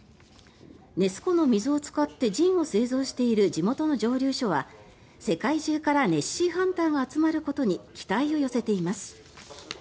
ネス湖の水を使ってジンを製造している地元の蒸留所は世界中からネッシー・ハンターが集まることに期待を寄せています。